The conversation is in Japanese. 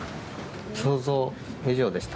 想像以上でした。